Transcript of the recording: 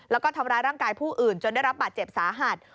และทำลายร่างกายผู้อื่นจนได้รับบัตรเจ็บสาหัส